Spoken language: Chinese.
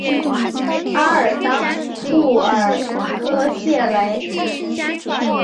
阿尔当库尔科谢雷。